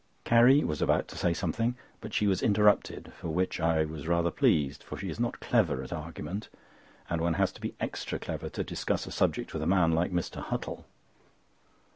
Carrie was about to say something; but she was interrupted, for which I was rather pleased, for she is not clever at argument, and one has to be extra clever to discuss a subject with a man like Mr. Huttle.